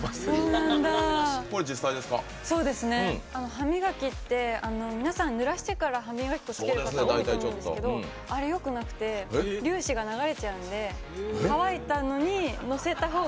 歯磨きって皆さんぬらしてから歯磨き粉つける方多いと思うんですけどあれよくなくて粒子が流れちゃうんで乾いたのにのせたほうがいいんですよ。